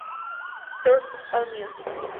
Source: Allmusic